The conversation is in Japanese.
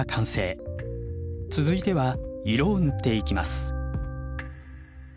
続いては色を塗っていきます。